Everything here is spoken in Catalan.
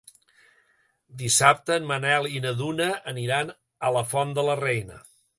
Dissabte en Manel i na Duna aniran a la Font de la Reina.